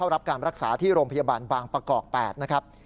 รับการรักษาที่โรงพยาบาลบางประกอบ๘นะครับ